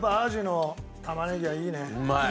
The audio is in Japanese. うまい。